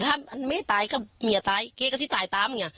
ถ้าไม่ตายก็หมี้าตาก็จะตายตาม